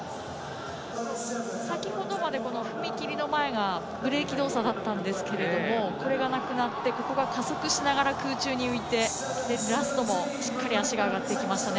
先ほどまで踏み切りの前がブレーキ動作だったんですけどそれがなくなって加速しながら空中に浮いて、ラストもしっかり足が上がっていきましたね。